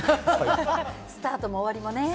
スタートも終わりもね。